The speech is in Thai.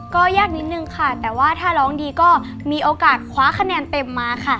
ก็ยากนิดนึงค่ะแต่ว่าถ้าร้องดีก็มีโอกาสคว้าคะแนนเต็มมาค่ะ